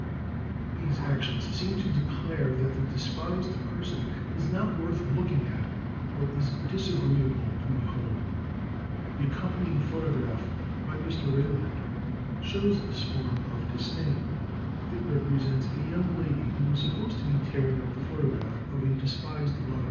These actions seem to declare that the despised person is not worth looking at or is disagreeable to behold. The accompanying photograph (Plate V. fig. 1) by Mr. Rejlander, shows this form of disdain. It represents a young lady, who is supposed to be tearing up the photograph of a despised lover.